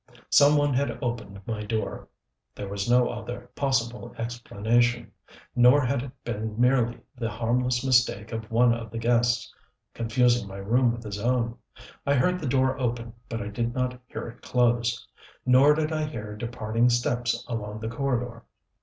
Some one had opened my door. There was no other possible explanation. Nor had it been merely the harmless mistake of one of the guests, confusing my room with his own. I heard the door open, but I did not hear it close. Nor did I hear departing steps along the corridor.